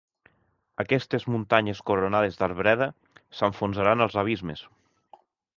Aquestes muntanyes coronades d'arbreda s'enfonsaran als abismes